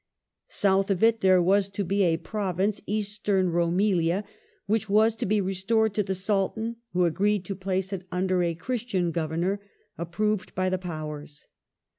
South of it there was to be a province, Eastern Roumellia, which was to be restored to the Sultan who agreed to place it under a Christian Governor approved by the Powers.